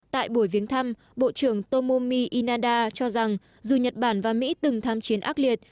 tại buổi viếng thăm bộ trưởng tomomi inaza cho rằng dù nhật bản và mỹ từng thăm chiến ác liệt